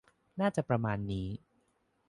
น่าจะประมาณนี้